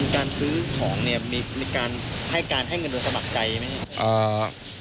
การซื้อของมีการให้เงินโดยสมัครใจไหม